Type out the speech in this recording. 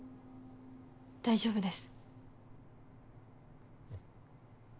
大丈夫です。